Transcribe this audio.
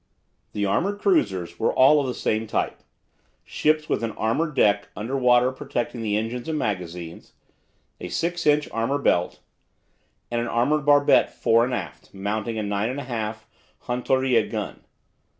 The armoured cruisers were all of the same type, ships with an armoured deck under water protecting the engines and magazines, a 6 inch armour belt, and an armoured barbette fore and aft, mounting a 9 1/2 inch Hontoria gun.